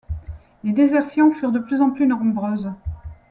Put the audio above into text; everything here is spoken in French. Les désertions furent de plus en plus nombreuses.